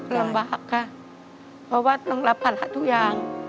ลำบากค่ะเพราะว่าต้องรับภาระทุกอย่าง